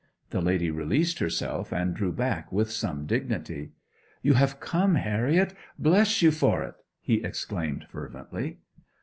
The lady released herself and drew back with some dignity. 'You have come, Harriet bless you for it!' he exclaimed, fervently.